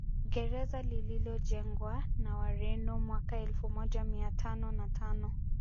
Gereza lililojengwa na Wareno mwaka elfu moja mia tano na tano